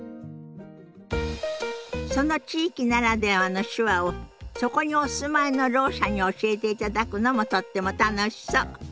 その地域ならではの手話をそこにお住まいのろう者に教えていただくのもとっても楽しそう。